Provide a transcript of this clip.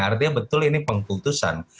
artinya betul ini pengkultusan